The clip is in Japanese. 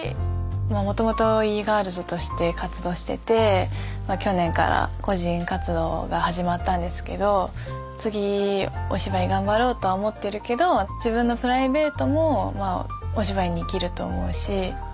もともとＥ−ｇｉｒｌｓとして活動してて去年から個人活動が始まったんですけど次お芝居頑張ろうとは思ってるけど自分のプライベートもお芝居に生きると思うし。